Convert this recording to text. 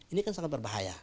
ini kan sangat berbahaya